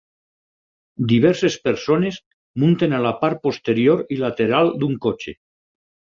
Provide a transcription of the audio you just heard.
Diverses persones munten a la part posterior i lateral d'un cotxe.